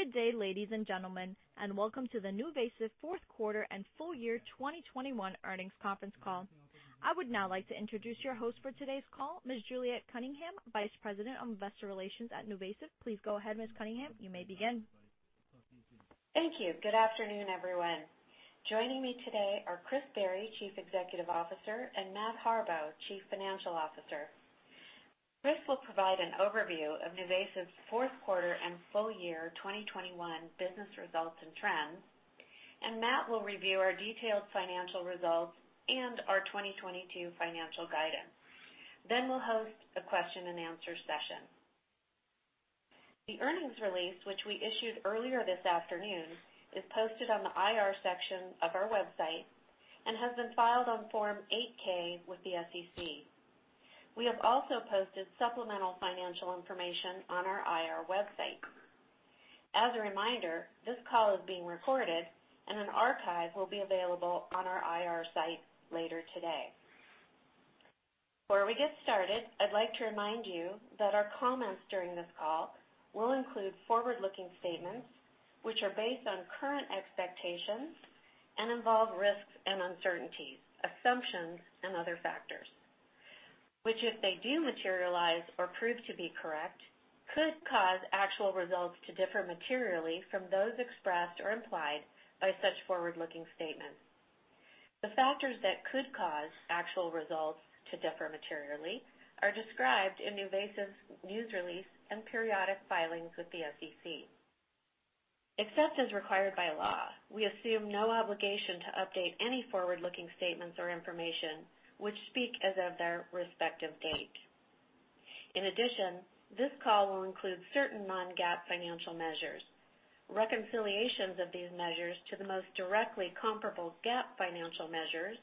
Good day, ladies and gentlemen, and welcome to the NuVasive fourth quarter and full year 2021 earnings conference call. I would now like to introduce your host for today's call, Ms. Juliet Cunningham, Vice President of Investor Relations at NuVasive. Please go ahead, Ms. Cunningham. You may begin. Thank you. Good afternoon, everyone. Joining me today are Chris Barry, Chief Executive Officer, and Matt Harbaugh, Chief Financial Officer. Chris will provide an overview of NuVasive's fourth quarter and full year 2021 business results and trends, and Matt will review our detailed financial results and our 2022 financial guidance. We'll host a question and answer session. The earnings release, which we issued earlier this afternoon, is posted on the IR section of our website and has been filed on Form 8-K with the SEC. We have also posted supplemental financial information on our IR website. As a reminder, this call is being recorded and an archive will be available on our IR site later today. Before we get started, I'd like to remind you that our comments during this call will include forward-looking statements which are based on current expectations and involve risks and uncertainties, assumptions and other factors, which if they do materialize or prove to be correct, could cause actual results to differ materially from those expressed or implied by such forward-looking statements. The factors that could cause actual results to differ materially are described in NuVasive's news release and periodic filings with the SEC. Except as required by law, we assume no obligation to update any forward-looking statements or information which speak as of their respective date. In addition, this call will include certain non-GAAP financial measures. Reconciliations of these measures to the most directly comparable GAAP financial measures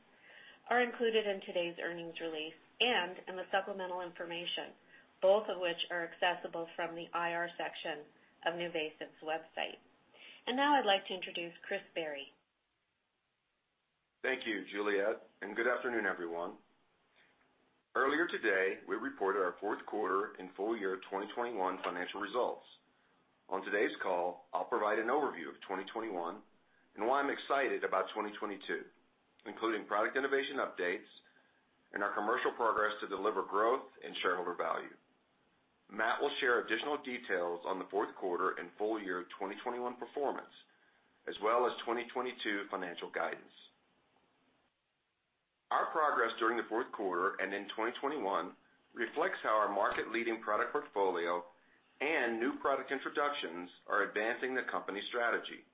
are included in today's earnings release and in the supplemental information, both of which are accessible from the IR section of NuVasive's website. Now I'd like to introduce Chris Barry. Thank you, Juliet, and good afternoon, everyone. Earlier today, we reported our fourth quarter and full year 2021 financial results. On today's call, I'll provide an overview of 2021 and why I'm excited about 2022, including product innovation updates and our commercial progress to deliver growth and shareholder value. Matt will share additional details on the fourth quarter and full year 2021 performance as well as 2022 financial guidance. Our progress during the fourth quarter and in 2021 reflects how our market leading product portfolio and new product introductions are advancing the company strategy.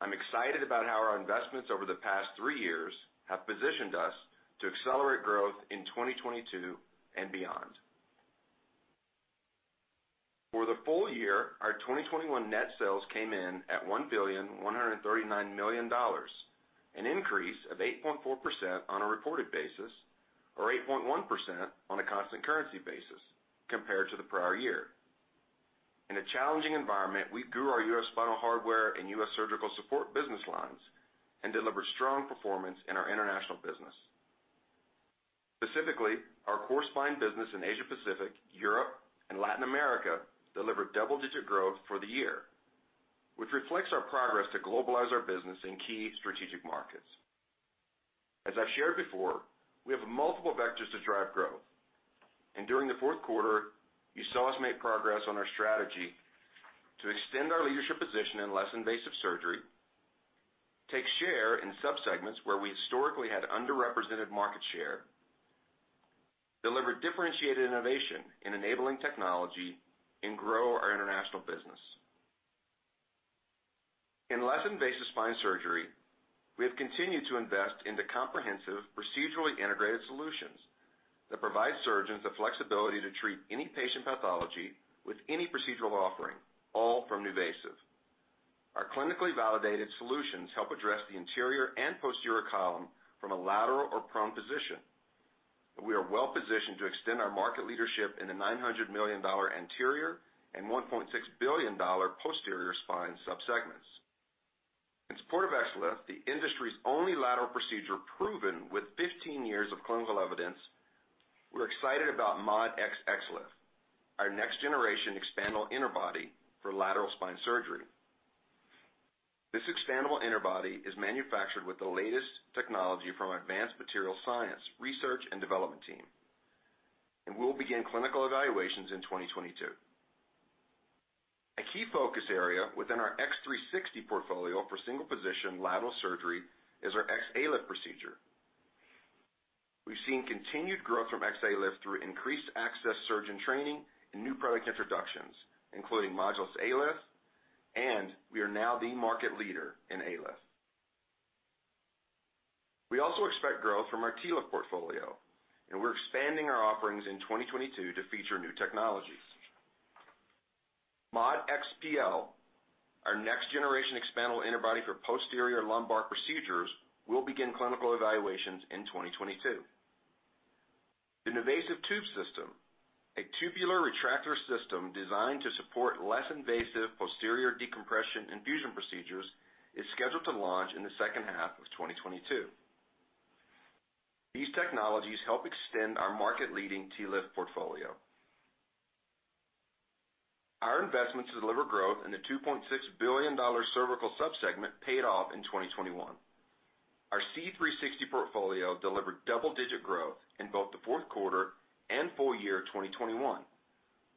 I'm excited about how our investments over the past 3 years have positioned us to accelerate growth in 2022 and beyond. For the full year, our 2021 net sales came in at $1.139 billion, an increase of 8.4% on a reported basis, or 8.1% on a constant currency basis compared to the prior year. In a challenging environment, we grew our U.S. spinal hardware and U.S. surgical support business lines and delivered strong performance in our international business. Specifically, our core spine business in Asia Pacific, Europe, and Latin America delivered double-digit growth for the year, which reflects our progress to globalize our business in key strategic markets. As I've shared before, we have multiple vectors to drive growth, and during the fourth quarter, you saw us make progress on our strategy to extend our leadership position in less invasive surgery, take share in sub-segments where we historically had underrepresented market share, deliver differentiated innovation in enabling technology, and grow our international business. In less invasive spine surgery, we have continued to invest into comprehensive, procedurally integrated solutions that provide surgeons the flexibility to treat any patient pathology with any procedural offering, all from NuVasive. Our clinically validated solutions help address the anterior and posterior column from a lateral or prone position. We are well positioned to extend our market leadership in the $900 million anterior and $1.6 billion posterior spine sub-segments. In support of XLIF, the industry's only lateral procedure proven with 15 years of clinical evidence, we're excited about Modulus XLIF, our next generation expandable interbody for lateral spine surgery. This expandable interbody is manufactured with the latest technology from our advanced material science, research and development team, and we'll begin clinical evaluations in 2022. A key focus area within our X360 portfolio for single-position lateral surgery is our XALIF procedure. We've seen continued growth from XALIF through increased access surgeon training and new product introductions, including Modulus ALIF, and we are now the market leader in ALIF. We also expect growth from our TLIF portfolio, and we're expanding our offerings in 2022 to feature new technologies. MOD-EX PL, our next generation expandable interbody for posterior lumbar procedures, will begin clinical evaluations in 2022. The NuVasive Tube System, a tubular retractor system designed to support less invasive posterior decompression and fusion procedures, is scheduled to launch in the second half of 2022. These technologies help extend our market-leading TLIF portfolio. Our investments deliver growth in the $2.6 billion cervical sub-segment paid off in 2021. Our C360 portfolio delivered double-digit growth in both the fourth quarter and full year 2021,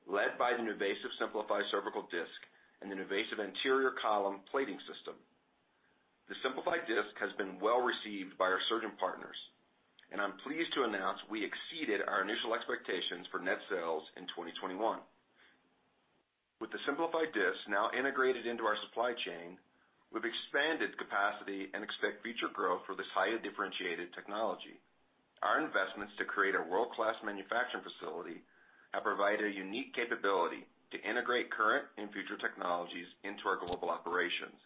led by the NuVasive Simplify Cervical Disc and the NuVasive anterior column plating system. The Simplify Cervical Disc has been well received by our surgeon partners, and I'm pleased to announce we exceeded our initial expectations for net sales in 2021. With the Simplify Cervical Disc now integrated into our supply chain, we've expanded capacity and expect future growth for this highly differentiated technology. Our investments to create a world-class manufacturing facility have provided a unique capability to integrate current and future technologies into our global operations.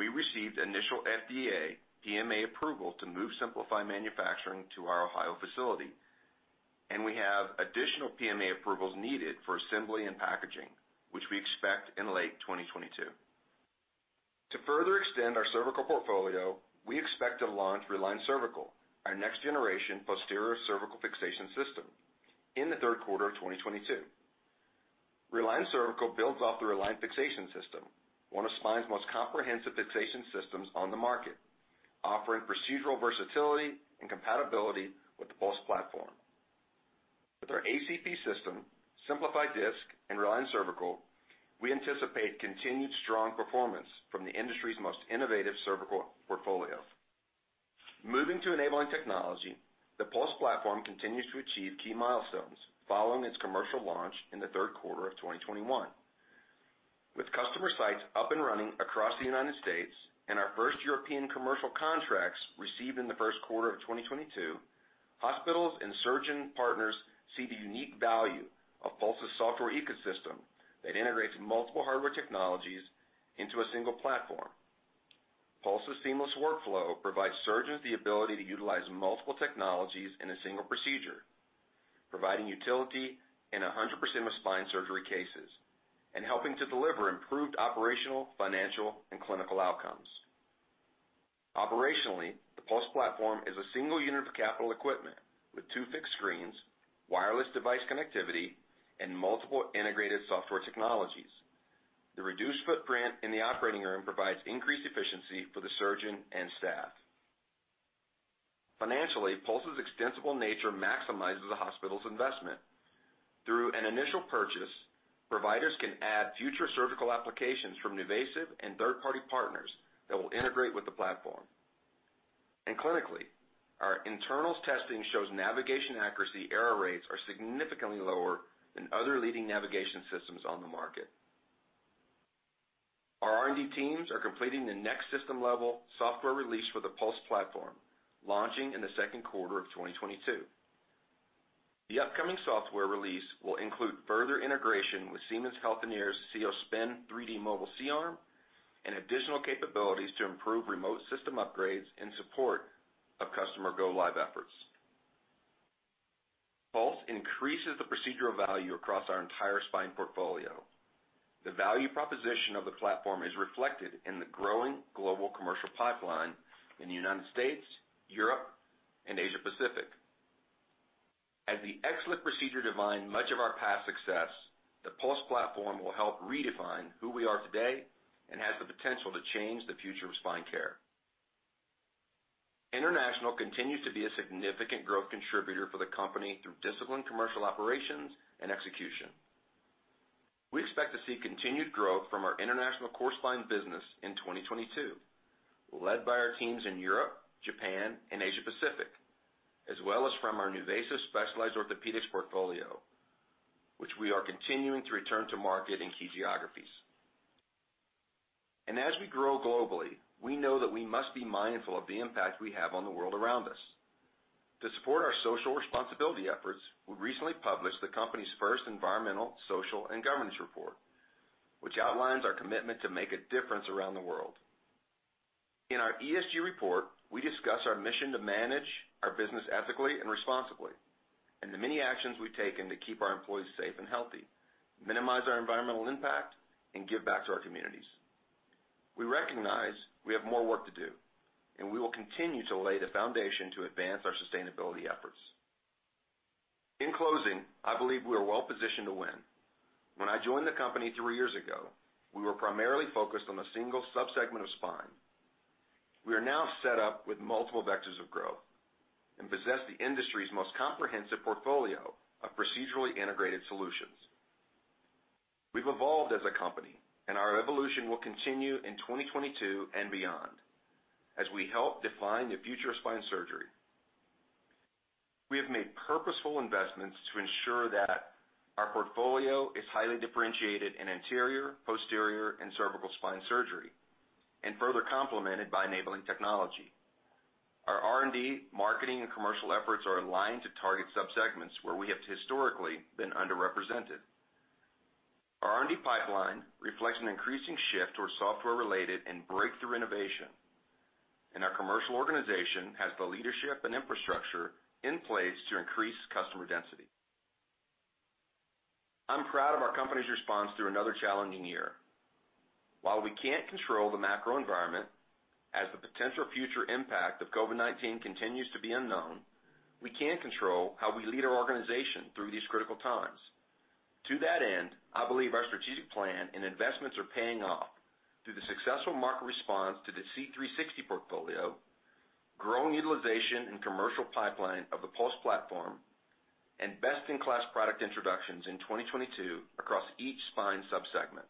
We received initial FDA PMA approval to move Simplify manufacturing to our Ohio facility, and we have additional PMA approvals needed for assembly and packaging, which we expect in late 2022. To further extend our cervical portfolio, we expect to launch Reliant Cervical, our next generation posterior cervical fixation system in the third quarter of 2022. Reliant Cervical builds off the Reline fixation system, one of spine's most comprehensive fixation systems on the market, offering procedural versatility and compatibility with the Pulse platform. With our ACP system, Simplify Disc and Reliant Cervical, we anticipate continued strong performance from the industry's most innovative cervical portfolio. Moving to enabling technology. The Pulse platform continues to achieve key milestones following its commercial launch in the third quarter of 2021. With customer sites up and running across the United States and our first European commercial contracts received in the first quarter of 2022, hospitals and surgeon partners see the unique value of Pulse's software ecosystem that integrates multiple hardware technologies into a single platform. Pulse's seamless workflow provides surgeons the ability to utilize multiple technologies in a single procedure, providing utility in 100% of spine surgery cases, and helping to deliver improved operational, financial, and clinical outcomes. Operationally, the Pulse platform is a single unit of capital equipment with two fixed screens, wireless device connectivity, and multiple integrated software technologies. The reduced footprint in the operating room provides increased efficiency for the surgeon and staff. Financially, Pulse's extensible nature maximizes the hospital's investment. Through an initial purchase, providers can add future surgical applications from NuVasive and third-party partners that will integrate with the platform. Clinically, our internal testing shows navigation accuracy error rates are significantly lower than other leading navigation systems on the market. Our R&D teams are completing the next system-level software release for the Pulse platform, launching in the second quarter of 2022. The upcoming software release will include further integration with Siemens Healthineers' Cios Spin 3D mobile C-arm and additional capabilities to improve remote system upgrades in support of customer go live efforts. Pulse increases the procedural value across our entire spine portfolio. The value proposition of the platform is reflected in the growing global commercial pipeline in the United States, Europe, and Asia Pacific. As the XLIF procedure defined much of our past success, the Pulse platform will help redefine who we are today and has the potential to change the future of spine care. International continues to be a significant growth contributor for the company through disciplined commercial operations and execution. We expect to see continued growth from our international core spine business in 2022, led by our teams in Europe, Japan, and Asia Pacific, as well as from our NuVasive Specialized Orthopedics portfolio, which we are continuing to return to market in key geographies. As we grow globally, we know that we must be mindful of the impact we have on the world around us. To support our social responsibility efforts, we recently published the company's first environmental, social, and governance report, which outlines our commitment to make a difference around the world. In our ESG report, we discuss our mission to manage our business ethically and responsibly, and the many actions we've taken to keep our employees safe and healthy, minimize our environmental impact, and give back to our communities. We recognize we have more work to do, and we will continue to lay the foundation to advance our sustainability efforts. In closing, I believe we are well-positioned to win. When I joined the company three years ago, we were primarily focused on a single sub-segment of spine. We are now set up with multiple vectors of growth and possess the industry's most comprehensive portfolio of procedurally integrated solutions. We've evolved as a company and our evolution will continue in 2022 and beyond as we help define the future of spine surgery. We have made purposeful investments to ensure that our portfolio is highly differentiated in anterior, posterior, and cervical spine surgery and further complemented by enabling technology. Our R&D, marketing, and commercial efforts are aligned to target sub-segments where we have historically been underrepresented. Our R&D pipeline reflects an increasing shift towards software-related and breakthrough innovation. Our commercial organization has the leadership and infrastructure in place to increase customer density. I'm proud of our company's response through another challenging year. While we can't control the macro environment, as the potential future impact of COVID-19 continues to be unknown, we can control how we lead our organization through these critical times. To that end, I believe our strategic plan and investments are paying off through the successful market response to the C360 portfolio, growing utilization and commercial pipeline of the Pulse platform, and best-in-class product introductions in 2022 across each spine sub-segment.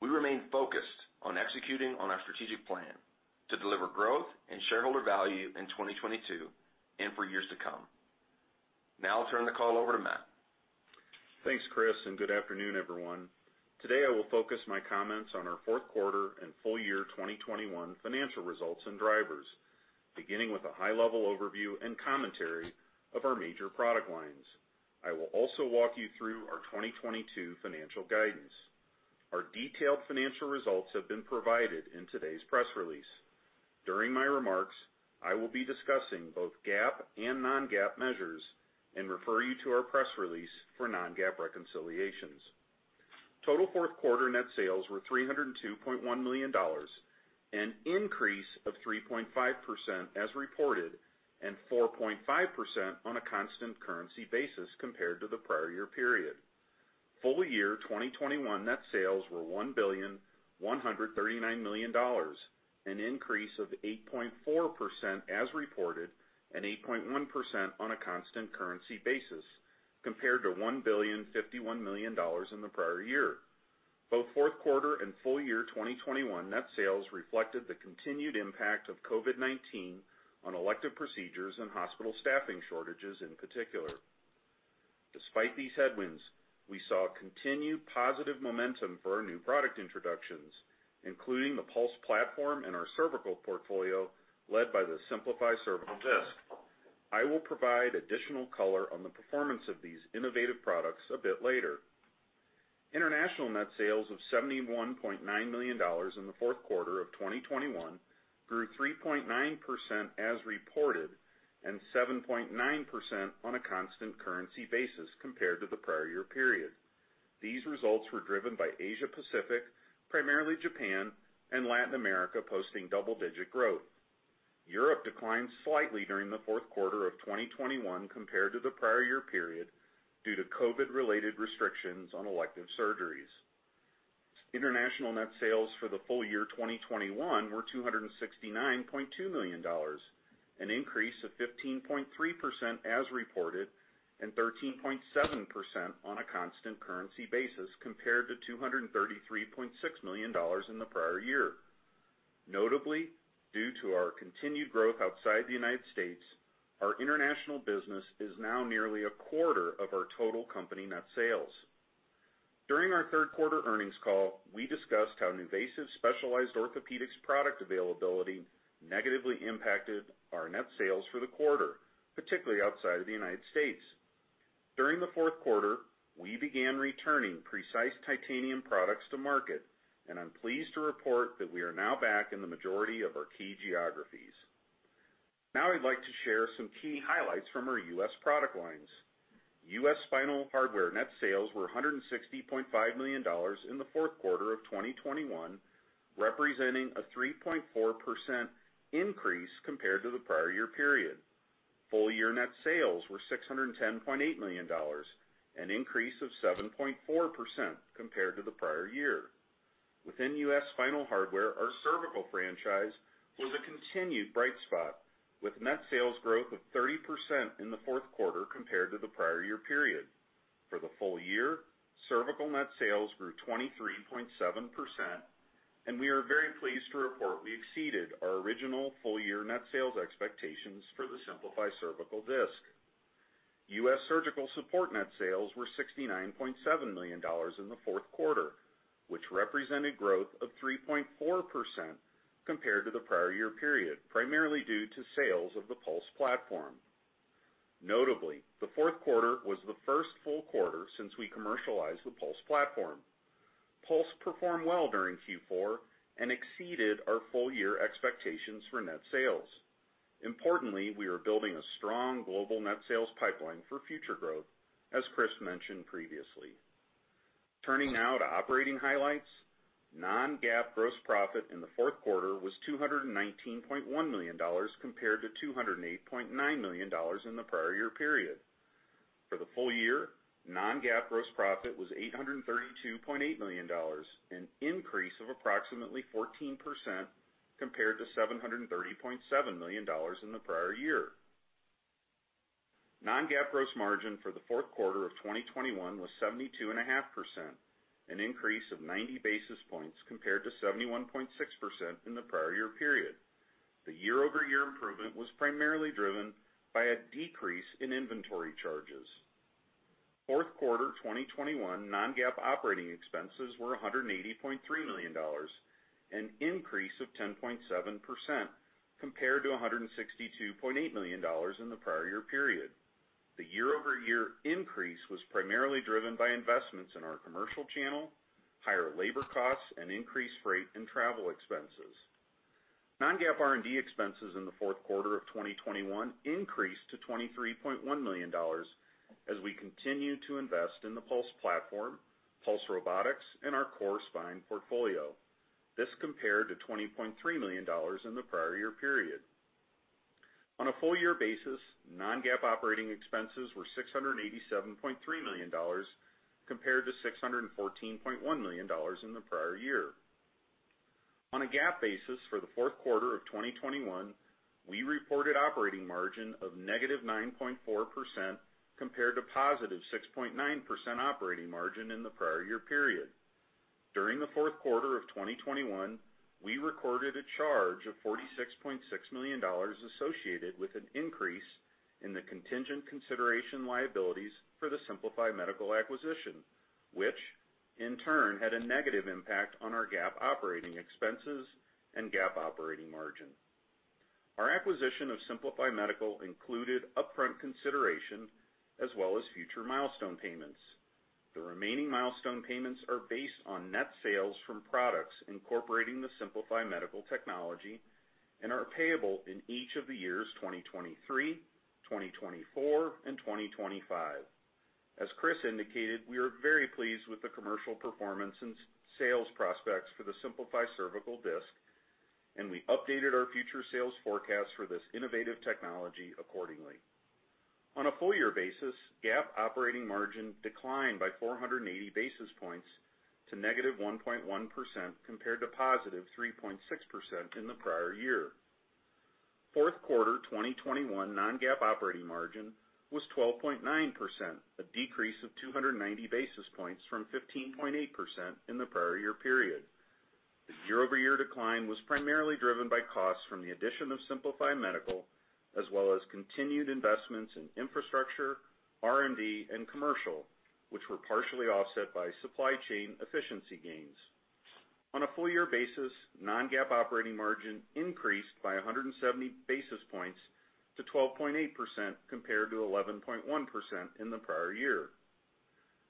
We remain focused on executing on our strategic plan to deliver growth and shareholder value in 2022 and for years to come. Now I'll turn the call over to Matt. Thanks, Chris, and good afternoon, everyone. Today, I will focus my comments on our fourth quarter and full year 2021 financial results and drivers, beginning with a high-level overview and commentary of our major product lines. I will also walk you through our 2022 financial guidance. Our detailed financial results have been provided in today's press release. During my remarks, I will be discussing both GAAP and non-GAAP measures and refer you to our press release for non-GAAP reconciliations. Total fourth quarter net sales were $302.1 million, an increase of 3.5% as reported, and 4.5% on a constant currency basis compared to the prior year period. Full year 2021 net sales were $1.139 billion, an increase of 8.4% as reported, and 8.1% on a constant currency basis compared to $1.051 billion in the prior year. Both fourth quarter and full year 2021 net sales reflected the continued impact of COVID-19 on elective procedures and hospital staffing shortages in particular. Despite these headwinds, we saw continued positive momentum for our new product introductions, including the Pulse platform and our cervical portfolio, led by the Simplify Cervical Disc. I will provide additional color on the performance of these innovative products a bit later. International net sales of $71.9 million in the fourth quarter of 2021 grew 3.9% as reported, and 7.9% on a constant currency basis compared to the prior year period. These results were driven by Asia-Pacific, primarily Japan and Latin America, posting double-digit growth. Europe declined slightly during the fourth quarter of 2021 compared to the prior year period due to COVID-related restrictions on elective surgeries. International net sales for the full year 2021 were $269.2 million, an increase of 15.3% as reported, and 13.7% on a constant currency basis compared to $233.6 million in the prior year. Notably, due to our continued growth outside the United States, our international business is now nearly a quarter of our total company net sales. During our third quarter earnings call, we discussed how NuVasive Specialized Orthopedics product availability negatively impacted our net sales for the quarter, particularly outside of the United States. During the fourth quarter, we began returning Precice titanium products to market, and I'm pleased to report that we are now back in the majority of our key geographies. Now I'd like to share some key highlights from our U.S. product lines. U.S. spinal hardware net sales were $160.5 million in the fourth quarter of 2021, representing a 3.4% increase compared to the prior year period. Full-year net sales were $610.8 million, an increase of 7.4% compared to the prior year. Within U.S. spinal hardware, our cervical franchise was a continued bright spot with net sales growth of 30% in the fourth quarter compared to the prior year period. For the full year, cervical net sales grew 23.7%, and we are very pleased to report we exceeded our original full year net sales expectations for the Simplify Cervical Disc. U.S. surgical support net sales were $69.7 million in the fourth quarter, which represented growth of 3.4% compared to the prior year period, primarily due to sales of the Pulse platform. Notably, the fourth quarter was the first full quarter since we commercialized the Pulse platform. Pulse performed well during Q4 and exceeded our full year expectations for net sales. Importantly, we are building a strong global net sales pipeline for future growth, as Chris mentioned previously. Turning now to operating highlights. Non-GAAP gross profit in the fourth quarter was $219.1 million, compared to $208.9 million in the prior year period. For the full year, non-GAAP gross profit was $832.8 million, an increase of approximately 14% compared to $730.7 million in the prior year. Non-GAAP gross margin for the fourth quarter of 2021 was 72.5%, an increase of 90 basis points compared to 71.6% in the prior year period. The year-over-year improvement was primarily driven by a decrease in inventory charges. Fourth quarter 2021 non-GAAP operating expenses were $180.3 million, an increase of 10.7% compared to $162.8 million in the prior year period. The year-over-year increase was primarily driven by investments in our commercial channel, higher labor costs, and increased freight and travel expenses. Non-GAAP R&D expenses in the fourth quarter of 2021 increased to $23.1 million as we continue to invest in the Pulse platform, Pulse Robotics and our core spine portfolio. This compared to $20.3 million in the prior year period. On a full year basis, non-GAAP operating expenses were $687.3 million compared to $614.1 million in the prior year. On a GAAP basis for the fourth quarter of 2021, we reported operating margin of -9.4% compared to +6.9% operating margin in the prior year period. During the fourth quarter of 2021, we recorded a charge of $46.6 million associated with an increase in the contingent consideration liabilities for the Simplify Medical acquisition, which in turn had a negative impact on our GAAP operating expenses and GAAP operating margin. Our acquisition of Simplify Medical included upfront consideration as well as future milestone payments. The remaining milestone payments are based on net sales from products incorporating the Simplify Medical technology and are payable in each of the years, 2023, 2024 and 2025. As Chris indicated, we are very pleased with the commercial performance and sales prospects for the Simplify Cervical Disc, and we updated our future sales forecast for this innovative technology accordingly. On a full year basis, GAAP operating margin declined by 480 basis points to -1.1% compared to +3.6% in the prior year. Fourth quarter 2021 non-GAAP operating margin was 12.9%, a decrease of 290 basis points from 15.8% in the prior year period. The year-over-year decline was primarily driven by costs from the addition of Simplify Medical, as well as continued investments in infrastructure, R&D and commercial, which were partially offset by supply chain efficiency gains. On a full year basis, non-GAAP operating margin increased by 170 basis points to 12.8% compared to 11.1% in the prior year.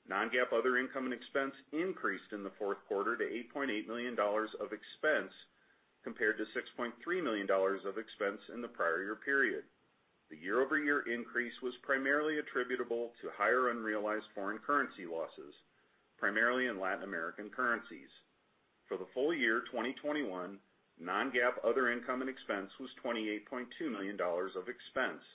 Non-GAAP other income and expense increased in the fourth quarter to $8.8 million of expense compared to $6.3 million of expense in the prior year period. The year-over-year increase was primarily attributable to higher unrealized foreign currency losses, primarily in Latin American currencies. For the full year 2021 non-GAAP other income and expense was $28.2 million of expense.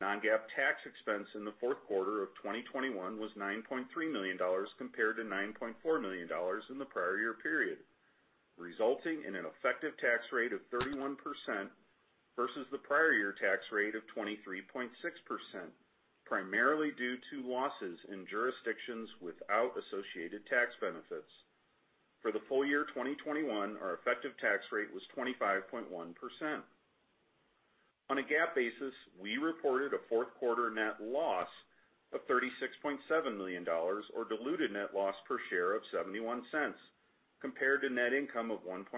Non-GAAP tax expense in the fourth quarter of 2021 was $9.3 million, compared to $9.4 million in the prior year period, resulting in an effective tax rate of 31% versus the prior year tax rate of 23.6%, primarily due to losses in jurisdictions without associated tax benefits. For the full year 2021, our effective tax rate was 25.1%. On a GAAP basis, we reported a fourth quarter net loss of $36.7 million, or diluted net loss per share of $0.71 compared to net income of $1.7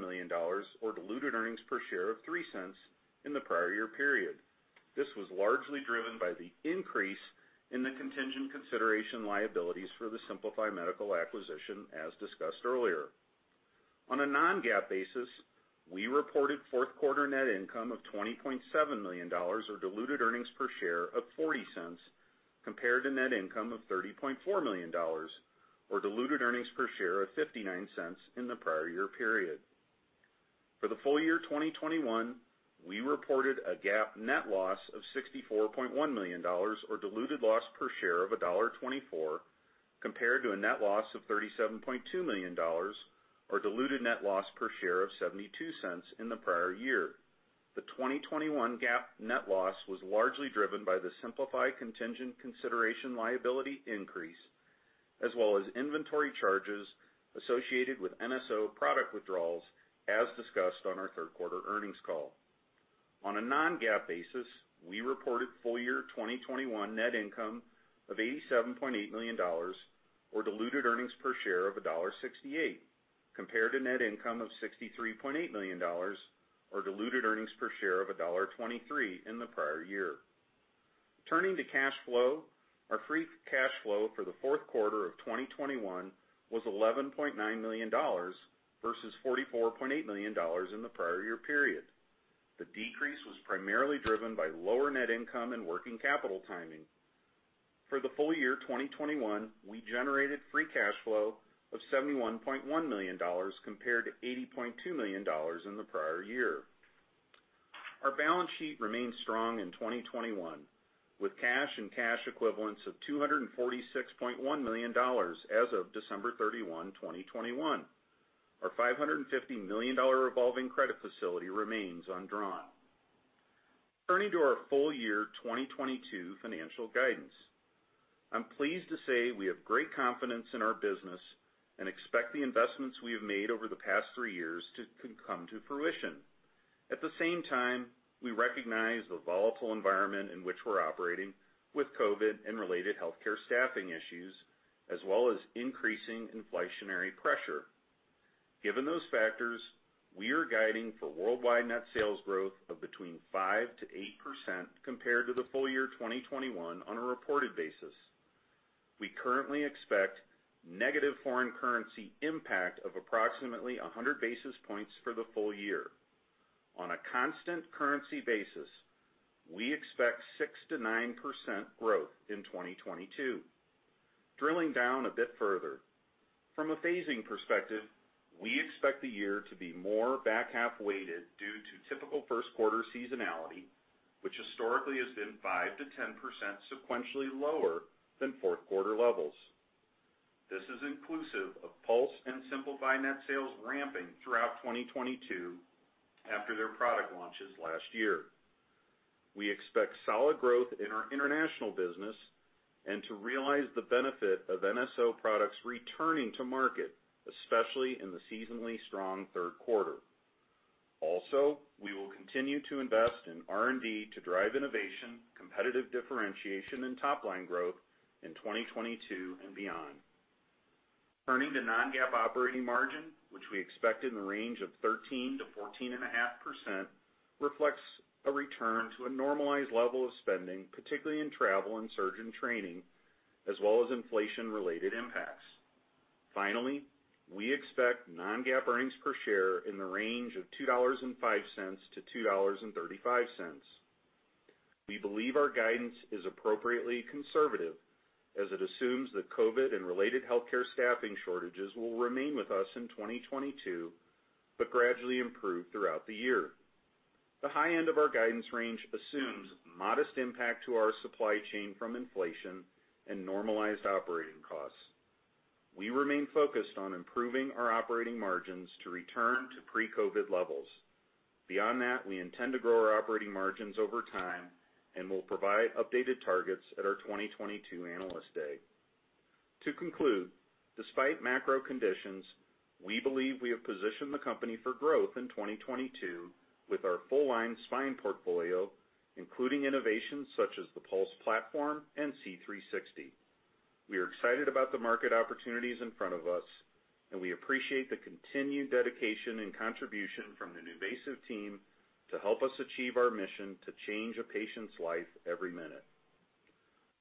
million or diluted earnings per share of $0.03 in the prior year period. This was largely driven by the increase in the contingent consideration liabilities for the Simplify Medical acquisition as discussed earlier. On a non-GAAP basis, we reported fourth quarter net income of $20.7 million or diluted earnings per share of $0.40 compared to net income of $30.4 million, or diluted earnings per share of $0.59 in the prior year period. For the full year 2021, we reported a GAAP net loss of $64.1 million, or diluted loss per share of $1.24 compared to a net loss of $37.2 million, or diluted net loss per share of $0.72 in the prior year. The 2021 GAAP net loss was largely driven by the Simplify contingent consideration liability increase, as well as inventory charges associated with NSO product withdrawals as discussed on our third quarter earnings call. On a non-GAAP basis, we reported full year 2021 net income of $87.8 million, or diluted earnings per share of $1.68 compared to net income of $63.8 million, or diluted earnings per share of $1.23 in the prior year. Turning to cash flow. Our free cash flow for the fourth quarter of 2021 was $11.9 million versus $44.8 million in the prior year period. The decrease was primarily driven by lower net income and working capital timing. For the full year 2021, we generated free cash flow of $71.1 million compared to $80.2 million in the prior year. Our balance sheet remained strong in 2021, with cash and cash equivalents of $246.1 million as of December 31, 2021. Our $550 million revolving credit facility remains undrawn. Turning to our full year 2022 financial guidance. I'm pleased to say we have great confidence in our business and expect the investments we have made over the past 3 years to come to fruition. At the same time, we recognize the volatile environment in which we're operating with COVID-19 and related healthcare staffing issues, as well as increasing inflationary pressure. Given those factors, we are guiding for worldwide net sales growth of between 5%-8% compared to the full year 2021 on a reported basis. We currently expect negative foreign currency impact of approximately 100 basis points for the full year. On a constant currency basis, we expect 6%-9% growth in 2022. Drilling down a bit further, from a phasing perspective, we expect the year to be more back-half weighted due to typical first quarter seasonality, which historically has been 5%-10% sequentially lower than fourth quarter levels. This is inclusive of Pulse and Simplify net sales ramping throughout 2022 after their product launches last year. We expect solid growth in our international business and to realize the benefit of NSO products returning to market, especially in the seasonally strong third quarter. We will continue to invest in R&D to drive innovation, competitive differentiation, and top-line growth in 2022 and beyond. Turning to non-GAAP operating margin, which we expect in the range of 13%-14.5%, reflects a return to a normalized level of spending, particularly in travel and surgeon training, as well as inflation-related impacts. Finally, we expect non-GAAP earnings per share in the range of $2.05-$2.35. We believe our guidance is appropriately conservative as it assumes that COVID and related healthcare staffing shortages will remain with us in 2022, but gradually improve throughout the year. The high end of our guidance range assumes modest impact to our supply chain from inflation and normalized operating costs. We remain focused on improving our operating margins to return to pre-COVID levels. Beyond that, we intend to grow our operating margins over time, and we'll provide updated targets at our 2022 Analyst Day. To conclude, despite macro conditions, we believe we have positioned the company for growth in 2022 with our full-line spine portfolio, including innovations such as the Pulse platform and C360. We are excited about the market opportunities in front of us, and we appreciate the continued dedication and contribution from the NuVasive team to help us achieve our mission to change a patient's life every minute.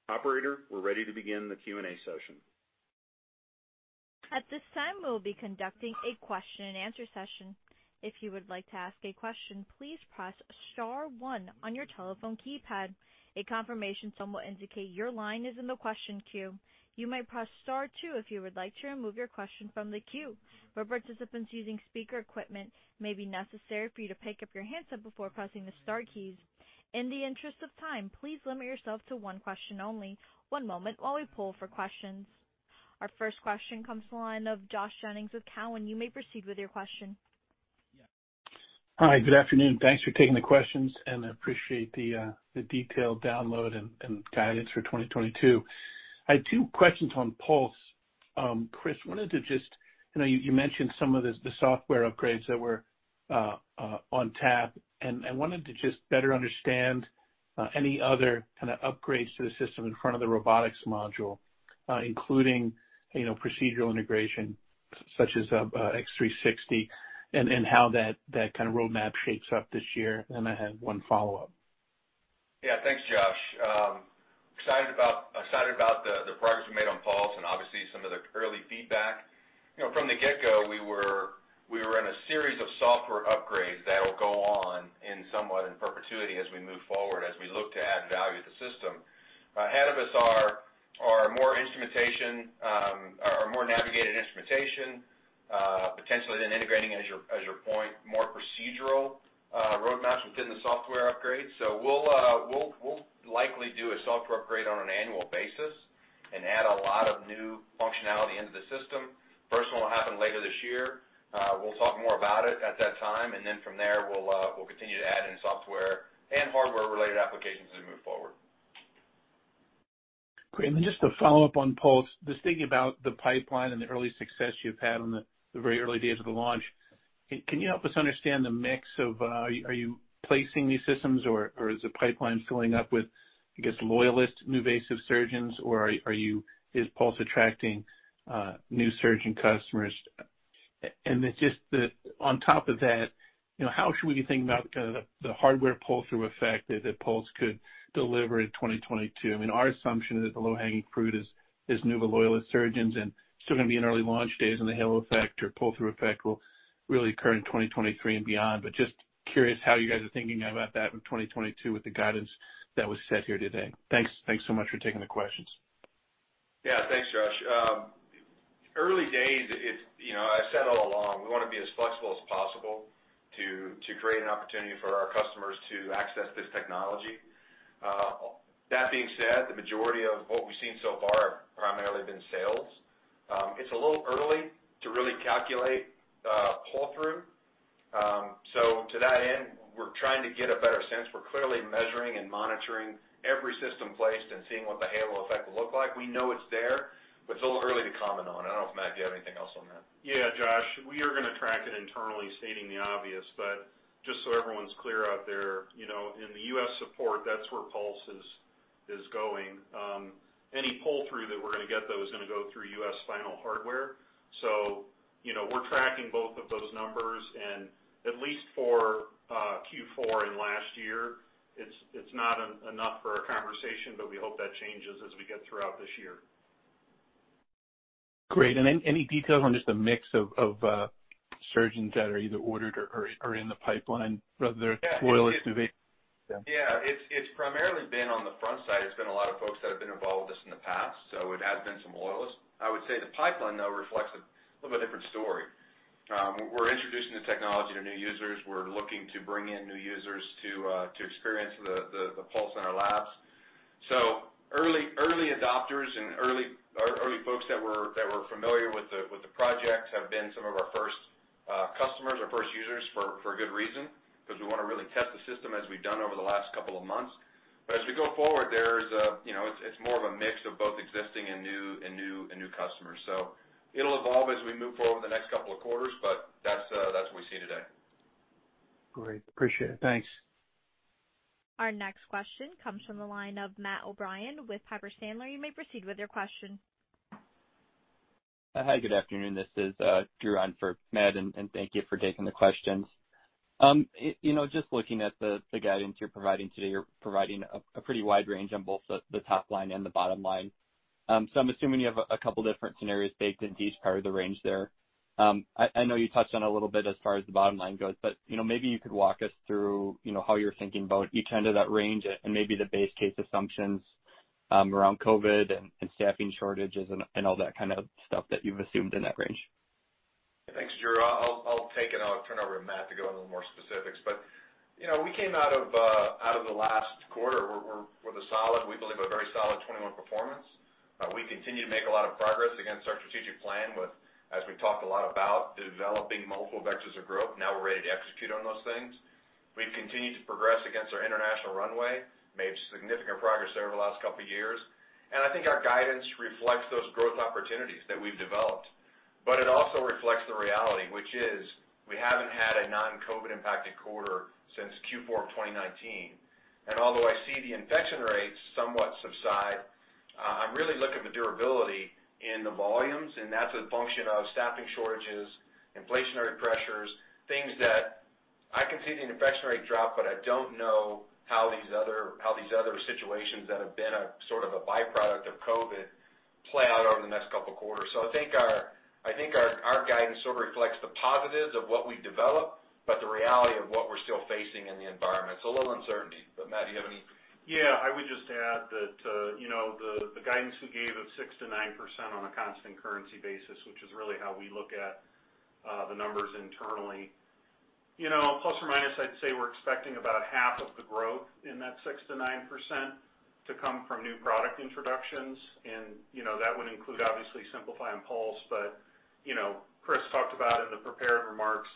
Operator, we're ready to begin the Q&A session. At this time, we will be conducting a question and answer session. If you would like to ask a question, please press star one on your telephone keypad. A confirmation tone will indicate your line is in the question queue. You may press star two if you would like to remove your question from the queue. For participants using speaker equipment, it may be necessary for you to pick up your handset before pressing the star keys. In the interest of time, please limit yourself to one question only. One moment while we poll for questions. Our first question comes from the line of Josh Jennings with Cowen. You may proceed with your question. Hi, good afternoon. Thanks for taking the questions, and I appreciate the detailed download and guidance for 2022. I had two questions on Pulse. Chris, I wanted to you know, you mentioned some of the software upgrades that were on tap, and I wanted to just better understand any other kind of upgrades to the system in front of the robotics module, including you know, procedural integration such as X360 and how that kind of roadmap shapes up this year. I have one follow-up. Yeah. Thanks, Josh. Excited about the progress we made on Pulse and obviously some of the early feedback. From the get-go, we were in a series of software upgrades that will go on somewhat in perpetuity as we move forward, as we look to add value to the system. Ahead of us are more instrumentation, more navigated instrumentation, potentially then integrating, as your point, more procedural roadmaps within the software upgrade. We'll likely do a software upgrade on an annual basis and add a lot of new functionality into the system. First one will happen later this year. We'll talk more about it at that time. Then from there, we'll continue to add in software and hardware-related applications as we move forward. Great. Just to follow up on Pulse, just thinking about the pipeline and the early success you've had on the very early days of the launch. Can you help us understand the mix of, are you placing these systems or is the pipeline filling up with, I guess, loyalist NuVasive surgeons or is Pulse attracting new surgeon customers? On top of that, you know, how should we think about kind of the hardware pull-through effect that Pulse could deliver in 2022? I mean, our assumption is that the low-hanging fruit is NuVasive loyalist surgeons and still gonna be in early launch days and the halo effect or pull-through effect will really occur in 2023 and beyond. Just curious how you guys are thinking about that in 2022 with the guidance that was set here today. Thanks so much for taking the questions. Yeah. Thanks, Josh. Early days, it's, you know, I said all along, we wanna be as flexible as possible to create an opportunity for our customers to access this technology. That being said, the majority of what we've seen so far have primarily been sales. It's a little early to really calculate pull-through. So to that end, we're trying to get a better sense. We're clearly measuring and monitoring every system placed and seeing what the halo effect will look like. We know it's there, but it's a little early to comment on. I don't know if, Matt, you have anything else on that. Yeah, Josh. We are gonna track it internally stating the obvious, but just so everyone's clear out there, you know, in the U.S. support, that's where Pulse is going. Any pull-through that we're gonna get though is gonna go through U.S. spinal hardware. You know, we're tracking both of those numbers, and at least for Q4 and last year, it's not enough for a conversation, but we hope that changes as we get throughout this year. Great. Any details on just the mix of surgeons that are either ordered or are in the pipeline, rather loyalist to V- Yeah. It's primarily been on the front side. It's been a lot of folks that have been involved with this in the past, so it has been some loyalists. I would say the pipeline, though, reflects a little bit different story. We're introducing the technology to new users. We're looking to bring in new users to experience the Pulse in our labs. So early adopters and early folks that were familiar with the project have been some of our first customers or first users for good reason, because we wanna really test the system as we've done over the last couple of months. But as we go forward, there's you know, it's more of a mix of both existing and new customers. It'll evolve as we move forward over the next couple of quarters, but that's what we see today. Great. Appreciate it. Thanks. Our next question comes from the line of Matt O'Brien with Piper Sandler. You may proceed with your question. Hi, good afternoon. This is Drew on for Matt, and thank you for taking the questions. You know, just looking at the guidance you're providing today, you're providing a pretty wide range on both the top line and the bottom line. I'm assuming you have a couple different scenarios baked in each part of the range there. I know you touched on a little bit as far as the bottom line goes, but you know, maybe you could walk us through you know, how you're thinking about each end of that range and maybe the base case assumptions around COVID and staffing shortages and all that kind of stuff that you've assumed in that range. Thanks, Drew. I'll take it, and I'll turn it over to Matt to go into a little more specifics. You know, we came out of the last quarter with a solid, we believe a very solid 2021 performance. We continue to make a lot of progress against our strategic plan with, as we talked a lot about, developing multiple vectors of growth. Now we're ready to execute on those things. We've continued to progress against our international runway, made significant progress there over the last couple of years. I think our guidance reflects those growth opportunities that we've developed. It also reflects the reality, which is we haven't had a non-COVID-impacted quarter since Q4 of 2019. Although I see the infection rates somewhat subside, I'm really looking at the durability in the volumes, and that's a function of staffing shortages, inflationary pressures, things that I can see the infection rate drop, but I don't know how these other situations that have been a sort of a byproduct of COVID play out over the next couple of quarters. I think our guidance sort of reflects the positives of what we've developed, but the reality of what we're still facing in the environment. It's a little uncertainty. Matt, do you have any? Yeah. I would just add that, you know, the guidance we gave of 6%-9% on a constant currency basis, which is really how we look at the numbers internally, you know, plus or minus, I'd say we're expecting about half of the growth in that 6%-9% to come from new product introductions. You know, that would include obviously Simplify and Pulse. You know, Chris talked about in the prepared remarks,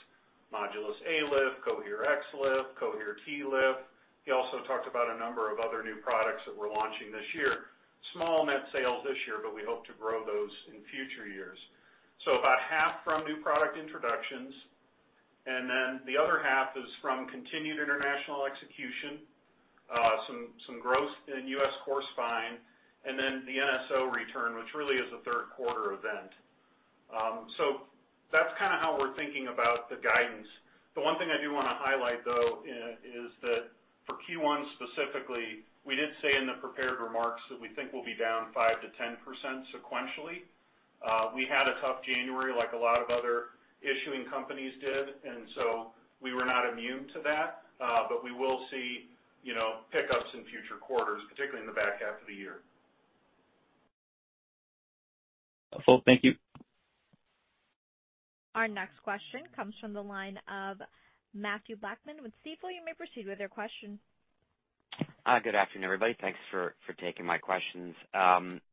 Modulus ALIF, Cohere XLIF, Cohere TLIF. He also talked about a number of other new products that we're launching this year. Small net sales this year, but we hope to grow those in future years. About half from new product introductions, and then the other half is from continued international execution, some growth in U.S. core spine and then the NSO return, which really is a third quarter event. That's kinda how we're thinking about the guidance. The one thing I do wanna highlight though is that for Q1 specifically, we did say in the prepared remarks that we think we'll be down 5%-10% sequentially. We had a tough January like a lot of other issuing companies did, and so we were not immune to that, but we will see, you know, pickups in future quarters, particularly in the back half of the year. Full. Thank you. Our next question comes from the line of Matthew Blackman with Stifel. You may proceed with your question. Good afternoon, everybody. Thanks for taking my questions.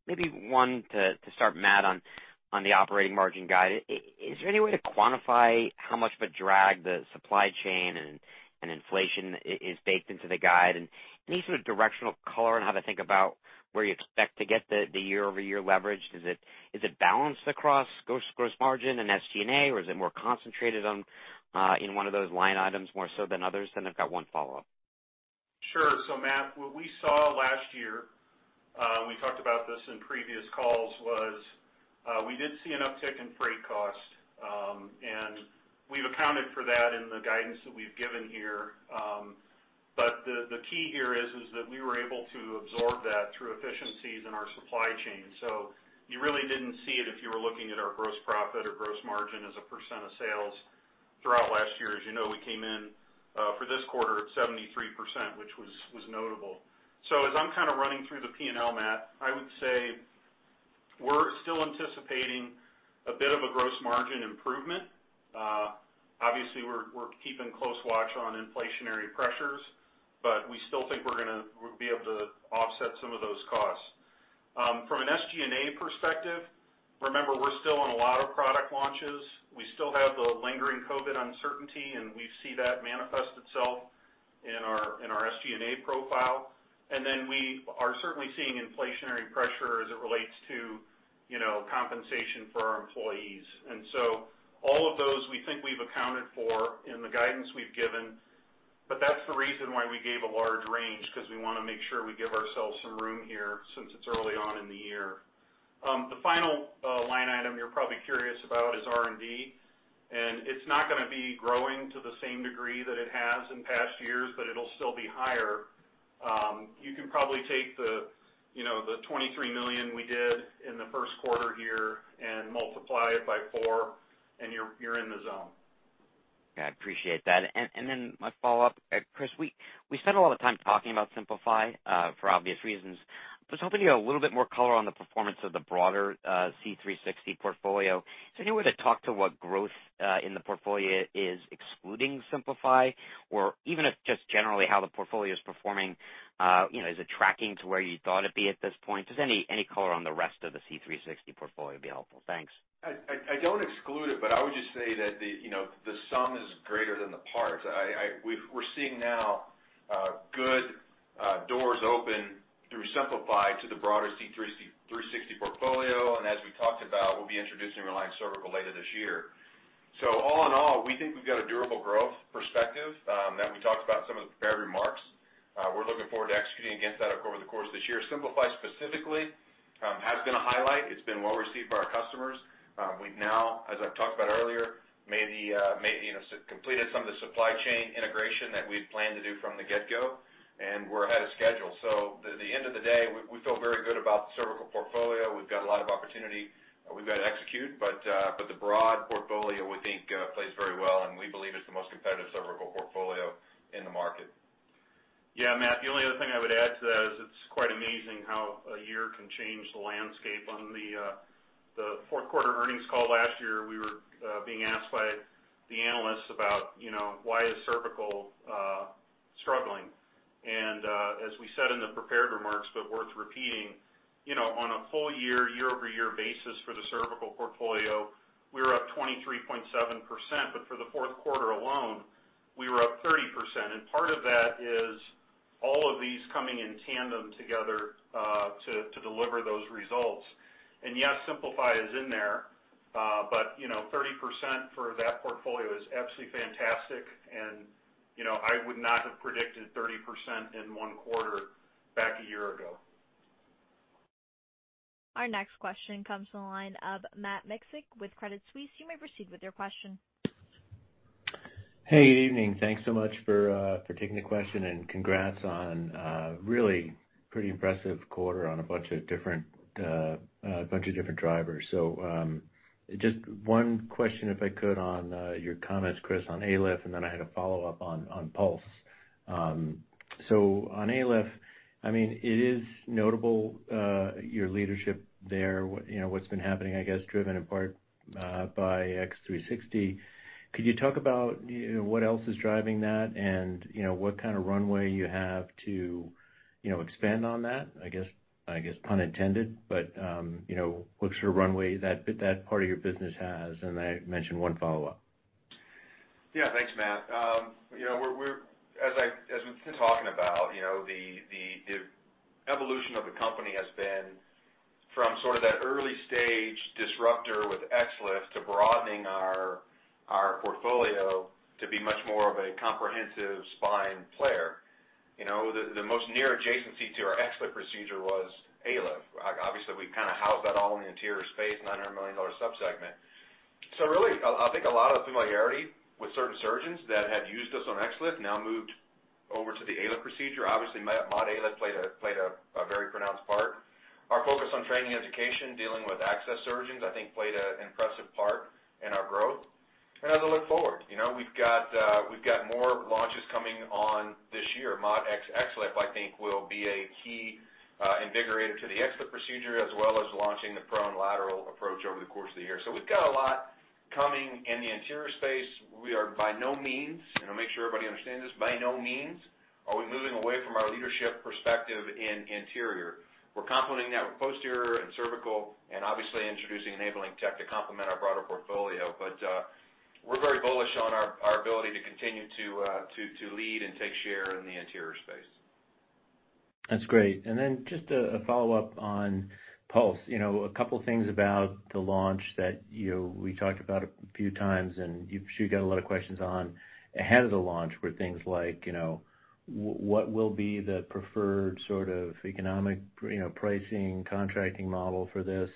Maybe one to start, Matt, on the operating margin guide. Is there any way to quantify how much of a drag the supply chain and inflation is baked into the guide? And any sort of directional color on how to think about where you expect to get the year-over-year leverage? Is it balanced across gross margin and SG&A, or is it more concentrated in one of those line items more so than others? I've got one follow-up. Sure. Matt, what we saw last year, we talked about this in previous calls, was we did see an uptick in freight cost, and we've accounted for that in the guidance that we've given here. But the key here is that we were able to absorb that through efficiencies in our supply chain. You really didn't see it if you were looking at our gross profit or gross margin as a percent of sales throughout last year. As you know, we came in for this quarter at 73%, which was notable. As I'm kind of running through the P&L, Matt, I would say we're still anticipating a bit of a gross margin improvement. Obviously we're keeping close watch on inflationary pressures, but we still think we'll be able to offset some of those costs. From an SG&A perspective, remember, we're still on a lot of product launches. We still have the lingering COVID uncertainty, and we see that manifest itself in our SG&A profile. We are certainly seeing inflationary pressure as it relates to, you know, compensation for our employees. All of those, we think we've accounted for in the guidance we've given. That's the reason why we gave a large range, 'cause we wanna make sure we give ourselves some room here since it's early on in the year. The final line item you're probably curious about is R&D. It's not gonna be growing to the same degree that it has in past years, but it'll still be higher. You can probably take the, you know, the $23 million we did in the first quarter here and multiply it by 4 and you're in the zone. Yeah, I appreciate that. My follow-up. Chris, we spend a lot of time talking about Simplify for obvious reasons. I was hoping to get a little bit more color on the performance of the broader C360 portfolio. Is there any way to talk to what growth in the portfolio is excluding Simplify? Or even if just generally how the portfolio is performing, you know, is it tracking to where you thought it'd be at this point? Just any color on the rest of the C360 portfolio would be helpful. Thanks. I don't exclude it, but I would just say that you know, the sum is greater than the parts. We're seeing now good doors open through Simplify to the broader C360 portfolio, and as we talked about, we'll be introducing Reline Cervical later this year. All in all, we think we've got a durable growth perspective that we talked about in some of the prepared remarks. We're looking forward to executing against that over the course of this year. Simplify specifically has been a highlight. It's been well received by our customers. We've now, as I've talked about earlier, completed some of the supply chain integration that we'd planned to do from the get-go, and we're ahead of schedule. At the end of the day, we feel very good about the cervical portfolio. We've got a lot of opportunity we've got to execute, but the broad portfolio, we think, plays very well, and we believe it's the most competitive cervical portfolio in the market. Yeah, Matt, the only other thing I would add to that is it's quite amazing how a year can change the landscape. On the fourth quarter earnings call last year, we were being asked by the analysts about, you know, why is cervical struggling. As we said in the prepared remarks, but worth repeating, you know, on a full year-over-year basis for the cervical portfolio, we're up 23.7%. For the fourth quarter alone, we were up 30%. Part of that is all of these coming in tandem together to deliver those results. Yes, Simplify is in there, but, you know, 30% for that portfolio is absolutely fantastic and, you know, I would not have predicted 30% in one quarter back a year ago. Our next question comes from the line of Matt Miksic with Credit Suisse. You may proceed with your question. Hey, good evening. Thanks so much for taking the question, and congrats on a really pretty impressive quarter on a bunch of different drivers. Just one question, if I could, on your comments, Chris, on ALIF, and then I had a follow-up on Pulse. On ALIF, I mean, it is notable your leadership there, you know, what's been happening, I guess, driven in part by X360. Could you talk about, you know, what else is driving that and, you know, what kind of runway you have to, you know, expand on that? I guess pun intended, but, you know, what sort of runway that part of your business has, and I mentioned one follow-up. Yeah. Thanks, Matt. You know, we're as we've been talking about, you know, the evolution of the company has been from sort of that early stage disruptor with XLIF to broadening our portfolio to be much more of a comprehensive spine player. You know, the most near adjacency to our XLIF procedure was ALIF. Obviously, we kind of housed that all in the anterior space, $900 million subsegment. So really, I think a lot of familiarity with certain surgeons that had used us on XLIF now moved over to the ALIF procedure. Obviously, Modulus ALIF played a very pronounced part. Our focus on training and education, dealing with access surgeons, I think played an impressive part in our growth. As I look forward, you know, we've got more launches coming on this year. Modulus XLIF, I think, will be a key invigorator to the XLIF procedure, as well as launching the prone lateral approach over the course of the year. We've got a lot coming in the anterior space. We are by no means, and I'll make sure everybody understands this, by no means are we moving away from our leadership position in anterior. We're complementing that with posterior and cervical and obviously introducing enabling tech to complement our broader portfolio. We're very bullish on our ability to continue to lead and take share in the anterior space. That's great. Just a follow-up on Pulse. You know, a couple things about the launch that, you know, we talked about a few times, and you got a lot of questions on ahead of the launch were things like, you know, what will be the preferred sort of economic, you know, pricing, contracting model for this,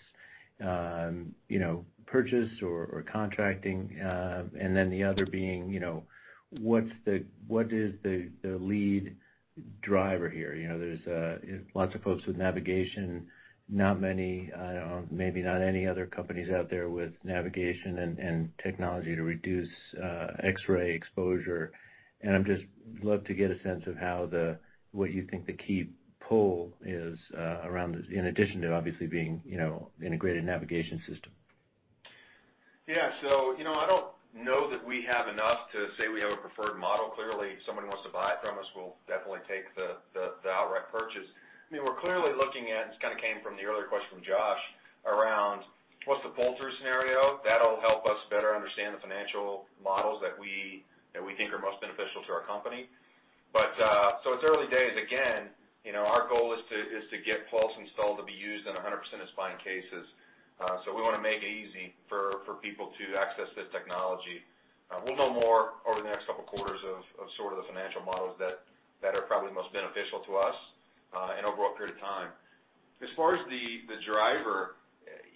you know, purchase or contracting? The other being, you know, what's the what is the lead driver here? You know, there's lots of folks with navigation, not many, maybe not any other companies out there with navigation and technology to reduce X-ray exposure. I'd just love to get a sense of what you think the key pull is around this, in addition to obviously being, you know, integrated navigation system. Yeah. You know, I don't know that we have enough to say we have a preferred model. Clearly, if someone wants to buy it from us, we'll definitely take the outright purchase. I mean, we're clearly looking at this kind of came from the earlier question from Josh, around what's the pull-through scenario. That'll help us better understand the financial models that we think are most beneficial to our company. It's early days, again. You know, our goal is to get Pulse installed to be used in 100% of spine cases. We wanna make it easy for people to access this technology. We'll know more over the next couple of quarters of sort of the financial models that are probably most beneficial to us, and over a period of time. As far as the driver,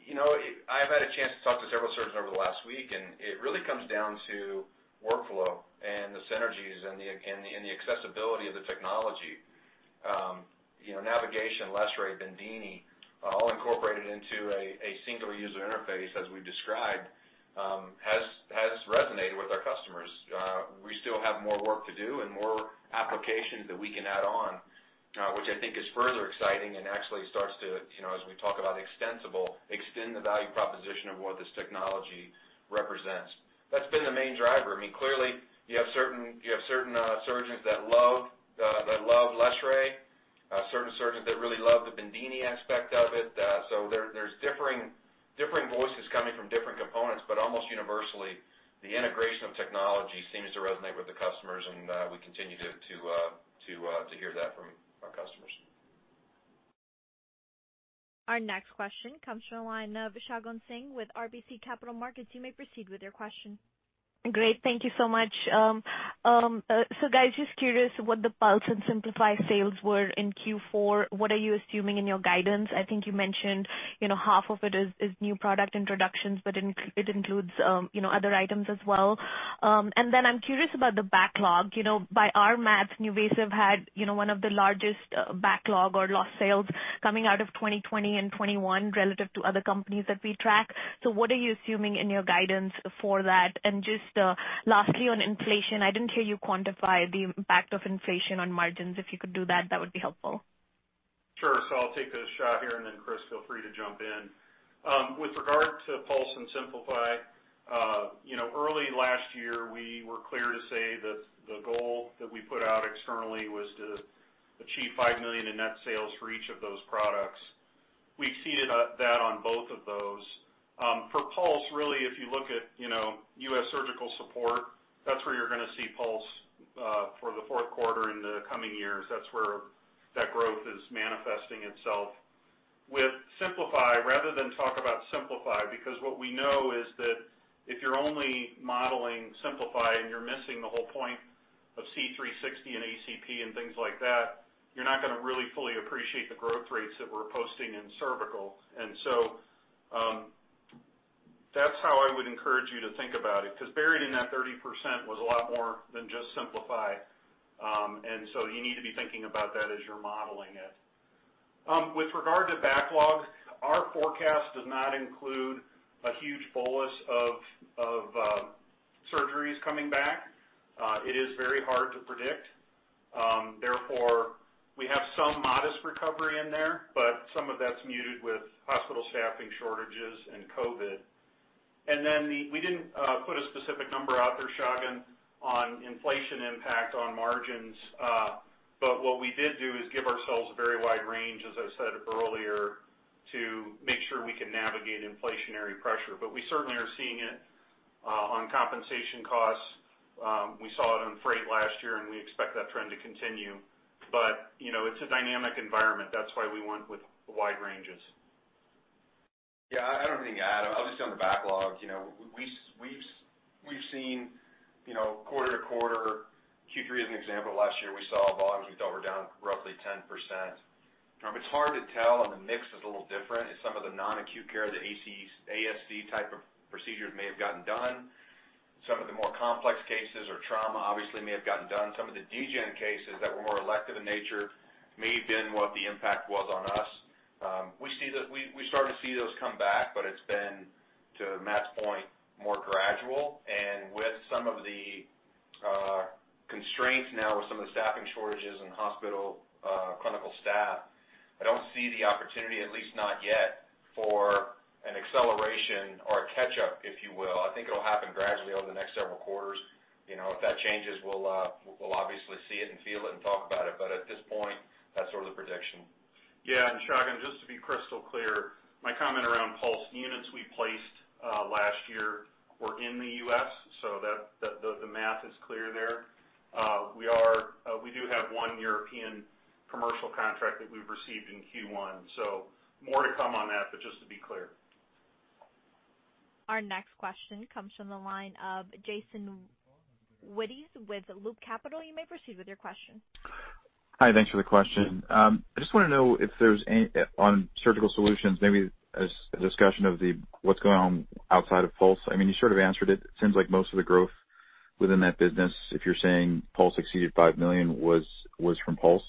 you know, I've had a chance to talk to several surgeons over the last week, and it really comes down to workflow and the synergies and the accessibility of the technology. You know, navigation, LessRay, Bendini, all incorporated into a single user interface as we described, has resonated with our customers. We still have more work to do and more applications that we can add on, which I think is further exciting and actually starts to, you know, as we talk about extensible, extend the value proposition of what this technology represents. That's been the main driver. I mean, clearly, you have certain surgeons that love LessRay, certain surgeons that really love the Bendini aspect of it. There's differing voices coming from different components, but almost universally, the integration of technology seems to resonate with the customers, and we continue to hear that from our customers. Our next question comes from the line of Shagun Chadha with RBC Capital Markets. You may proceed with your question. Great. Thank you so much. Guys, just curious what the Pulse and Simplify sales were in Q4. What are you assuming in your guidance? I think you mentioned, you know, half of it is new product introductions, but it includes, you know, other items as well. Then I'm curious about the backlog. You know, by our math, NuVasive had, you know, one of the largest backlog or lost sales coming out of 2020 and 2021 relative to other companies that we track. What are you assuming in your guidance for that? Just, lastly, on inflation, I didn't hear you quantify the impact of inflation on margins. If you could do that would be helpful. Sure. I'll take a shot here, and then Chris, feel free to jump in. With regard to Pulse and Simplify, you know, early last year, we were clear to say that the goal that we put out externally was to achieve $5 million in net sales for each of those products. We exceeded that on both of those. For Pulse, really, if you look at, you know, U.S. surgical support, that's where you're gonna see Pulse for the fourth quarter in the coming years. That's where that growth is manifesting itself. With Simplify, rather than talk about Simplify, because what we know is that if you're only modeling Simplify and you're missing the whole point of C360 and ACP and things like that, you're not gonna really fully appreciate the growth rates that we're posting in cervical. That's how I would encourage you to think about it 'cause buried in that 30% was a lot more than just Simplify. You need to be thinking about that as you're modeling it. With regard to backlog, our forecast does not include a huge bolus of surgeries coming back. It is very hard to predict. Therefore, we have some modest recovery in there, but some of that's muted with hospital staffing shortages and COVID. We didn't put a specific number out there, Shagun, on inflation impact on margins, but what we did do is give ourselves a very wide range, as I said earlier, to make sure we can navigate inflationary pressure. But we certainly are seeing it on compensation costs. We saw it on freight last year, and we expect that trend to continue. You know, it's a dynamic environment. That's why we went with wide ranges. Yeah, I don't have anything to add. Obviously, on the backlog, you know, we've seen, you know, quarter to quarter, Q3 as an example, last year, we saw volumes we thought were down roughly 10%. It's hard to tell, and the mix is a little different as some of the non-acute care, the ASC type of procedures may have gotten done. Some of the more complex cases or trauma obviously may have gotten done. Some of the degenerative cases that were more elective in nature may have been what the impact was on us. We started to see those come back, but it's been, to Matt's point, more gradual. With some of the constraints now with some of the staffing shortages and hospital clinical staff, I don't see the opportunity, at least not yet, for an acceleration or a catch-up, if you will. I think it'll happen gradually over the next several quarters. You know, if that changes, we'll obviously see it and feel it and talk about it. At this point, that's sort of the prediction. Yeah. Shagun, just to be crystal clear, my comment around Pulse units we placed last year were in the U.S., so that, the math is clear there. We do have one European commercial contract that we've received in Q1. More to come on that, but just to be clear. Our next question comes from the line of Jason Wittes with Loop Capital. You may proceed with your question. Hi, thanks for the question. I just wanna know if there's any on surgical solutions, maybe a discussion of what's going on outside of Pulse. I mean, you sort of answered it. It seems like most of the growth within that business, if you're saying Pulse exceeded $5 million, was from Pulse.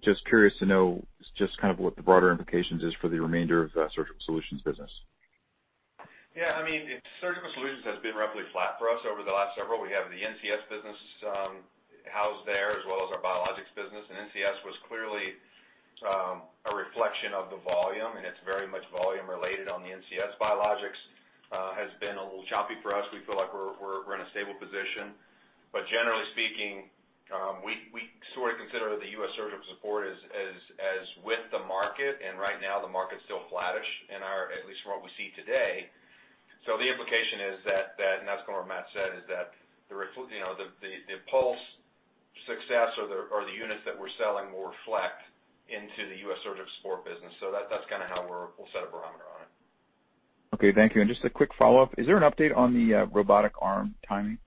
Just curious to know just kind of what the broader implications is for the remainder of the surgical solutions business. Yeah. I mean, Surgical Solutions has been roughly flat for us over the last several. We have the NCS business housed there, as well as our biologics business. NCS was clearly a reflection of the volume, and it's very much volume related on the NCS. Biologics has been a little choppy for us. We feel like we're in a stable position. Generally speaking, we sort of consider the U.S. surgical support as with the market, and right now the market's still flattish in our, at least from what we see today. The implication is that, and that's kind of what Matt said, is that you know, the Pulse success or the units that we're selling will reflect into the U.S. Surgical Support business. That's kinda how we'll set a barometer on it. Okay. Thank you. Just a quick follow-up. Is there an update on the robotic arm timing?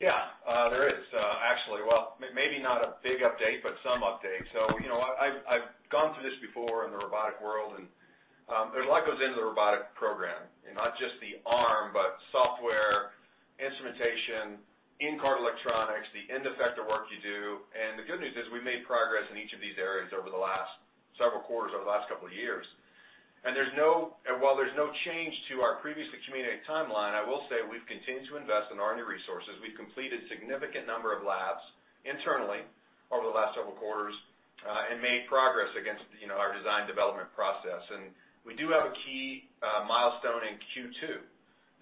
Yeah. There is actually. Well, maybe not a big update, but some update. You know, I've gone through this before in the robotic world, and there's a lot goes into the robotic program, and not just the arm, but software, instrumentation, in-cart electronics, the end effector work you do. The good news is we've made progress in each of these areas over the last several quarters, over the last couple of years. While there's no change to our previously communicated timeline, I will say we've continued to invest in R&D resources. We've completed significant number of labs internally over the last several quarters, and made progress against, you know, our design development process. We do have a key milestone in Q2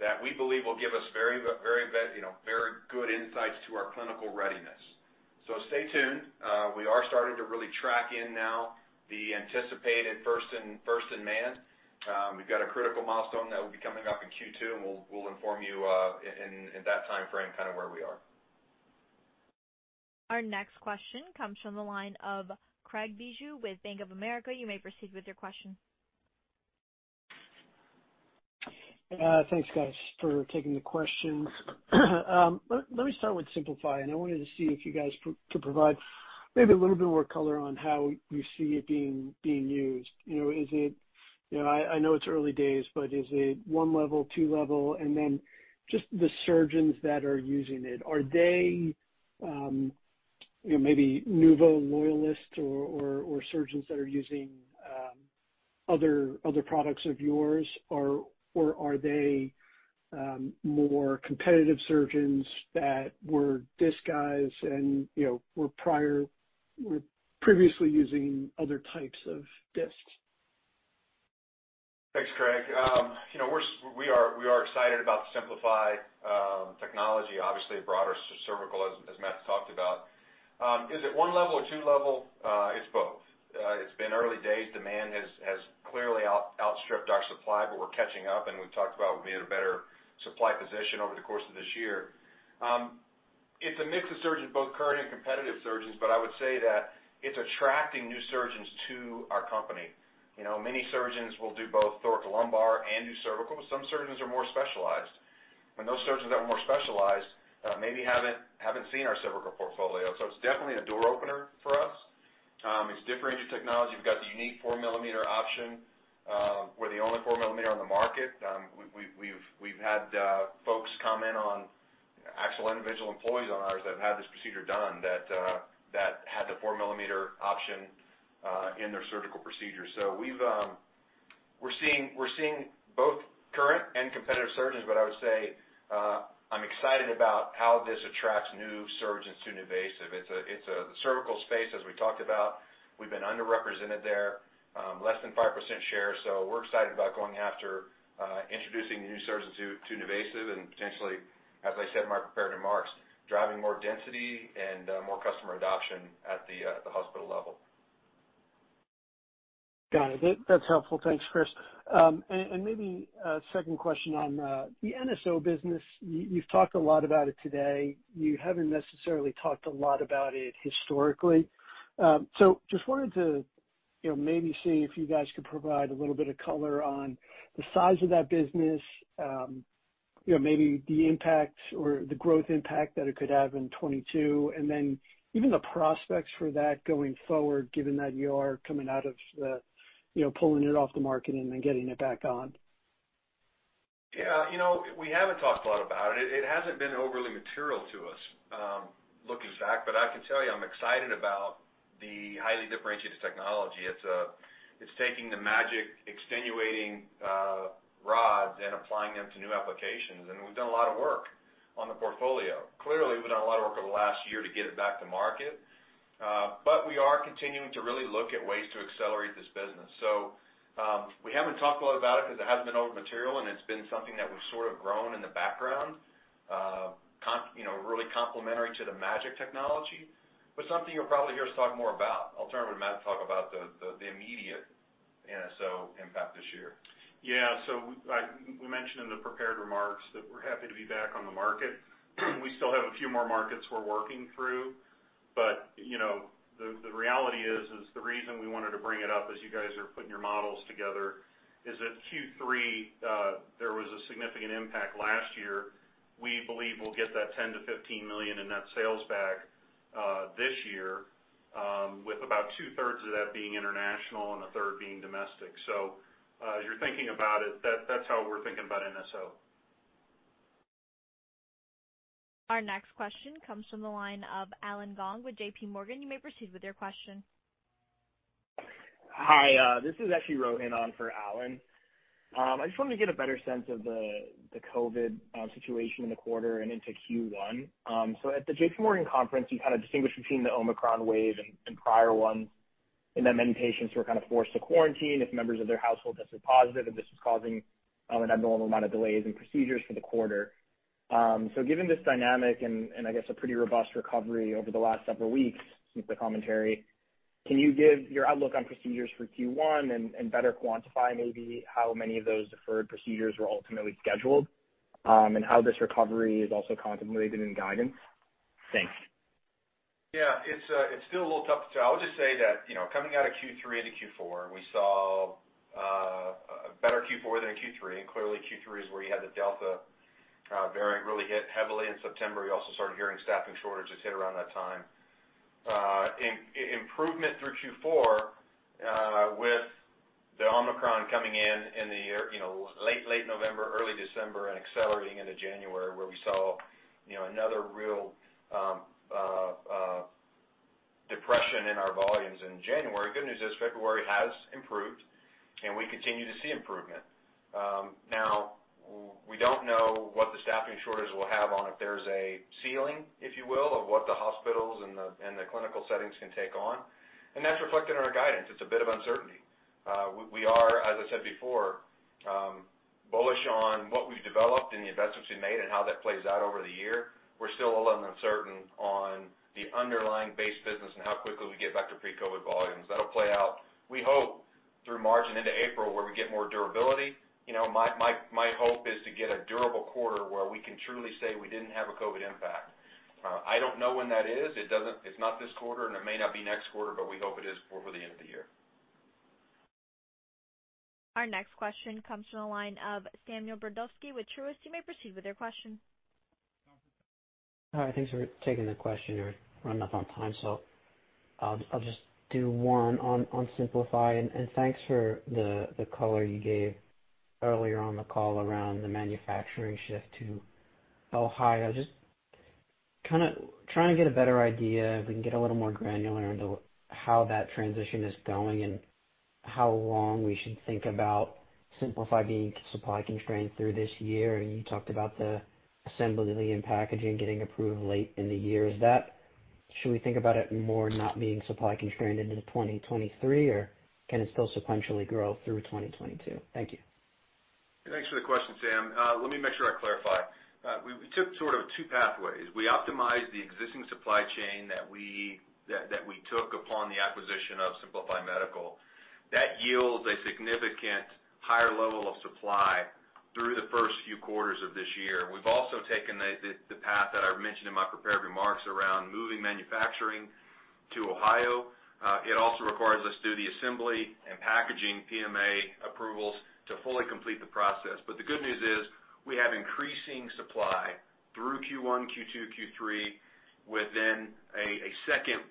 that we believe will give us very you know, very good insights to our clinical readiness. Stay tuned. We are starting to really track in now the anticipated first in man. We've got a critical milestone that will be coming up in Q2, and we'll inform you in that timeframe kinda where we are. Our next question comes from the line of Craig Bijou with Bank of America. You may proceed with your question. Thanks, guys, for taking the questions. Let me start with Simplify, and I wanted to see if you guys could provide maybe a little bit more color on how you see it being used. You know, is it one level, two level? And then just the surgeons that are using it, are they, you know, maybe NuVasive loyalists or surgeons that are using other products of yours or are they more competitive surgeons that were disc guys and, you know, were previously using other types of discs? Thanks, Craig. You know, we are excited about the Simplify technology, obviously it brought us to cervical as Matt talked about. Is it 1 level or 2 level? It's both. It's been early days. Demand has clearly outstripped our supply, but we're catching up, and we've talked about we'll be in a better supply position over the course of this year. It's a mix of surgeons, both current and competitive surgeons, but I would say that it's attracting new surgeons to our company. You know, many surgeons will do both thoracolumbar and do cervical. Some surgeons are more specialized, and those surgeons that are more specialized, maybe haven't seen our cervical portfolio. It's definitely a door opener for us. It's differentiated technology. We've got the unique 4-millimeter option. We're the only 4 millimeter on the market. We've had folks comment on actual individual employees of ours that have had this procedure done that had the 4 millimeter option in their surgical procedure. We're seeing both current and competitive surgeons, but I would say I'm excited about how this attracts new surgeons to NuVasive. It's a cervical space, as we talked about. We've been underrepresented there, less than 5% share. We're excited about going after introducing new surgeons to NuVasive, and potentially, as I said in my prepared remarks, driving more density and more customer adoption at the hospital level. Got it. That's helpful. Thanks, Chris. And maybe a second question on the NSO business. You've talked a lot about it today. You haven't necessarily talked a lot about it historically. So just wanted to, you know, maybe see if you guys could provide a little bit of color on the size of that business, you know, maybe the impact or the growth impact that it could have in 2022, and then even the prospects for that going forward, given that you are coming out of the, you know, pulling it off the market and then getting it back on. Yeah. You know, we haven't talked a lot about it. It hasn't been overly material to us, looking back, but I can tell you, I'm excited about the highly differentiated technology. It's taking the MAGEC extension rods and applying them to new applications, and we've done a lot of work on the portfolio. Clearly, we've done a lot of work over the last year to get it back to market, but we are continuing to really look at ways to accelerate this business. We haven't talked a lot about it because it hasn't been overly material, and it's been something that we've sort of grown in the background, complementary to the MAGEC technology. Something you'll probably hear us talk more about. I'll turn it to Matt to talk about the immediate NSO impact this year. Yeah. We mentioned in the prepared remarks that we're happy to be back on the market. We still have a few more markets we're working through, but you know, the reality is the reason we wanted to bring it up as you guys are putting your models together is that Q3 there was a significant impact last year. We believe we'll get that $10 million-$15 million in net sales back this year with about two-thirds of that being international and a third being domestic. As you're thinking about it, that's how we're thinking about NSO. Our next question comes from the line of Allen Gong with JPMorgan. You may proceed with your question. Hi. This is actually Rohan on for Allen. I just wanted to get a better sense of the COVID situation in the quarter and into Q1. At the JPMorgan conference, you kind of distinguished between the Omicron wave and prior ones, and that many patients were kind of forced to quarantine if members of their household tested positive, and this was causing an abnormal amount of delays in procedures for the quarter. Given this dynamic and I guess a pretty robust recovery over the last several weeks since the commentary, can you give your outlook on procedures for Q1 and better quantify maybe how many of those deferred procedures were ultimately scheduled and how this recovery is also contemplated in guidance? Thanks. Yeah. It's still a little tough to tell. I would just say that, you know, coming out of Q3 into Q4, we saw a better Q4 than a Q3, and clearly Q3 is where you had the Delta variant really hit heavily in September. We also started hearing staffing shortages hit around that time. Improvement through Q4 with the Omicron coming in in the, you know, late November, early December, and accelerating into January, where we saw, you know, another real depression in our volumes in January. Good news is February has improved, and we continue to see improvement. Now we don't know what the staffing shortage will have on if there's a ceiling, if you will, of what the hospitals and the clinical settings can take on, and that's reflected in our guidance. It's a bit of uncertainty. We are, as I said before, bullish on what we've developed and the investments we've made and how that plays out over the year. We're still a little uncertain on the underlying base business and how quickly we get back to pre-COVID volumes. That'll play out, we hope, through March and into April, where we get more durability. You know, my hope is to get a durable quarter where we can truly say we didn't have a COVID impact. I don't know when that is. It's not this quarter, and it may not be next quarter, but we hope it is before the end of the year. Our next question comes from the line of Samuel Brodovsky with Truist. You may proceed with your question. Hi, thanks for taking the question. We're running up on time, so I'll just do one on Simplify. Thanks for the color you gave earlier on the call around the manufacturing shift to Ohio. Just kinda trying to get a better idea, if we can get a little more granular into how that transition is going and how long we should think about Simplify being supply constrained through this year. You talked about the assembly and packaging getting approved late in the year. Is that, should we think about it more not being supply constrained into 2023, or can it still sequentially grow through 2022? Thank you. Thanks for the question, Sam. Let me make sure I clarify. We took sort of two pathways. We optimized the existing supply chain that we took upon the acquisition of Simplify Medical. That yields a significant higher level of supply through the first few quarters of this year. We've also taken the path that I mentioned in my prepared remarks around moving manufacturing to Ohio. It also requires us to do the assembly and packaging PMA approvals to fully complete the process. The good news is, we have increasing supply through Q1, Q2, Q3, within a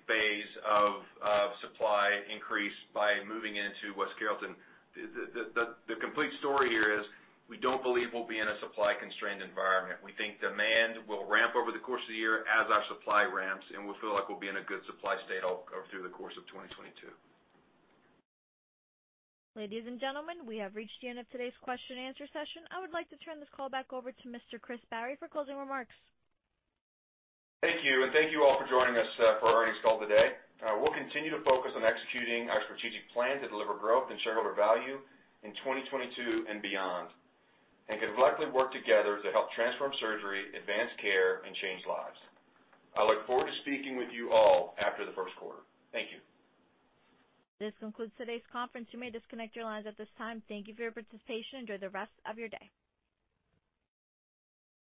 phase II of supply increase by moving into West Carrollton. The complete story here is we don't believe we'll be in a supply constrained environment. We think demand will ramp over the course of the year as our supply ramps, and we feel like we'll be in a good supply state all through the course of 2022. Ladies and gentlemen, we have reached the end of today's question and answer session. I would like to turn this call back over to Mr. Chris Barry for closing remarks. Thank you. Thank you all for joining us for our earnings call today. We'll continue to focus on executing our strategic plan to deliver growth and shareholder value in 2022 and beyond, and we can all work together to help transform surgery, advance care, and change lives. I look forward to speaking with you all after the first quarter. Thank you. This concludes today's conference. You may disconnect your lines at this time. Thank you for your participation. Enjoy the rest of your day.